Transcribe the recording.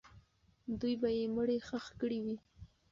دوی به یې مړی ښخ کړی وي.